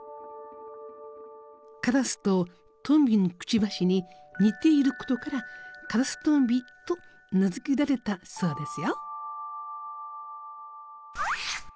カラスとトンビのくちばしに似ていることからカラストンビと名付けられたそうですよ。